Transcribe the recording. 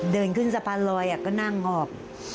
เดินขึ้นสะพานลอยก็นั่งออก